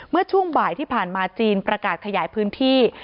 เมื่อช่วงบ่ายที่ผ่านมาจีนประกาศขยายพื้นที่